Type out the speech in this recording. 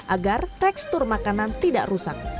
agar tekstur makanan tidak rusak